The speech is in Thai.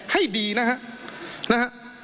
ให้ดีนะครับ